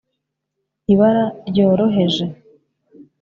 ibara ryoroheje